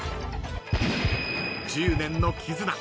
１０年の絆。